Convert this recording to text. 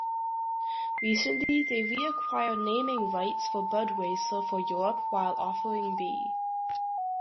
Recently, they reacquired naming rights for Budweiser for Europe while offering B.